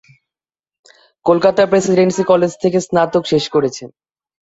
কলকাতার Presidency College থেকে স্নাতক শেষ করেছেন।